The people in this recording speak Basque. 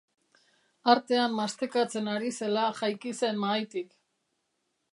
Artean mastekatzen ari zela jaiki zen mahaitik.